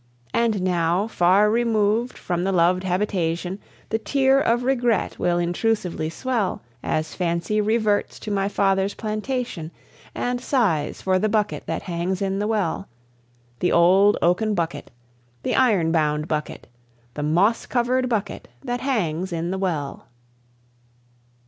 And now, far removed from the loved habitation, The tear of regret will intrusively swell. As fancy reverts to my father's plantation, And sighs for the bucket that hangs in the well The old oaken bucket, the iron bound bucket, The moss covered bucket that hangs in the well!